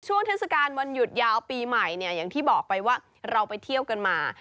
เทศกาลวันหยุดยาวปีใหม่เนี่ยอย่างที่บอกไปว่าเราไปเที่ยวกันมา